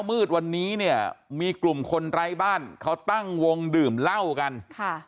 มืดวันนี้เนี่ยมีกลุ่มคนไร้บ้านเขาตั้งวงดื่มเหล้ากันค่ะ